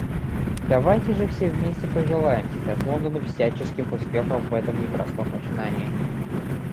Давайте же все вместе пожелаем сейчас Лондону всяческих успехов в этом непростом начинании.